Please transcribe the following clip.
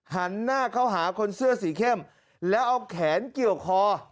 หันหน้าเข้าหาคนเสื้อสีเข้มแล้วเอาแขนเกี่ยวคอ